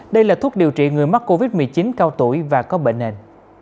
đây là thuốc điều trị người mắc covid một mươi chín cao tuổi và có bệnh nền